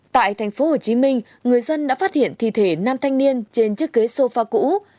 tại thành phố hồ chí minh người dân đã phát hiện thi thể nam thanh niên trên chiếc ghế sofa cũ